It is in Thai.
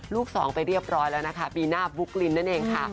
ลูกสองไปเรียบร้อยแล้วนะคะปีหน้าบุ๊กลินนั่นเองค่ะ